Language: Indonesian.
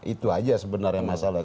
itu aja sebenarnya masalah